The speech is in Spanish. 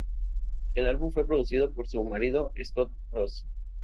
El álbum fue producido por su marido, Scott Ross.